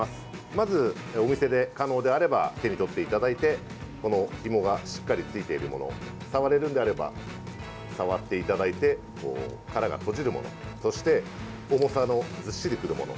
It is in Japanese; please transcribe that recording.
まずお店で、可能であれば手にとっていただいてこのヒモがしっかりついているもの触れるのであれば触っていただいてこう殻が閉じるものそして重さのずっしりくるもの。